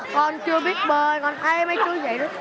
con chưa biết bơi còn thấy mấy chú vậy